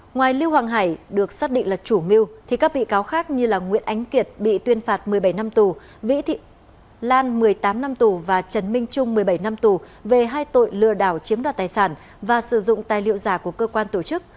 ngoài lưu hoàng hải được xác định là chủ mưu thì các bị cáo khác như nguyễn ánh kiệt bị tuyên phạt một mươi bảy năm tù vĩ lan một mươi tám năm tù và trần minh trung một mươi bảy năm tù về hai tội lừa đảo chiếm đoạt tài sản và sử dụng tài liệu giả của cơ quan tổ chức